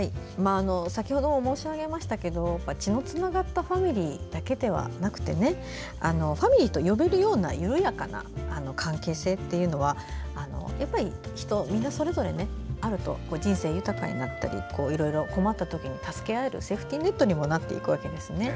先ほど申し上げましたけど血のつながったファミリーだけではなくてファミリーと呼べるような緩やかな関係性というのは人みんなそれぞれあると人生豊かになったりいろいろ困ったときに助け合えるセーフティーネットにもなっていくわけですね。